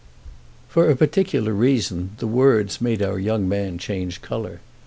For a particular reason the words made our young man change colour.